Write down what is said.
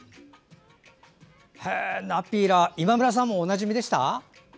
ナピラ、今村さんもおなじみでした？